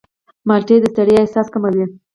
مالټې د ستړیا احساس کموي.